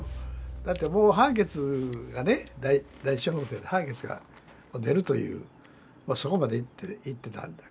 だってもう判決がね第一小法廷で判決が出るというそこまでいってたんだからね。